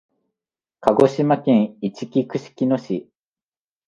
鹿児島県いちき串木野市